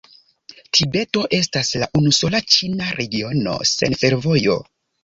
Tibeto estas la unusola ĉina regiono sen fervojo.